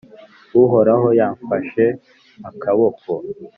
Uhoraho yamfashe akaboko,